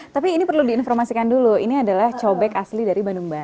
tapi ini perlu diinformasikan dulu ini adalah cobek asli dari bandung barat